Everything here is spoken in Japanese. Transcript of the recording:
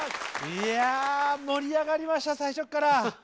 いや盛り上がりました最初っから。